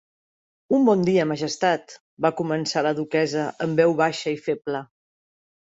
"Un bon dia, Majestat!", va començar la duquessa en veu baixa i feble.